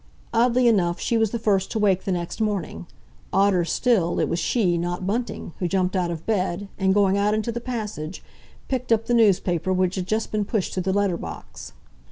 Oddly enough, she was the first to wake the next morning; odder still, it was she, not Bunting, who jumped out of bed, and going out into the passage, picked up the newspaper which had just been pushed through the letter box.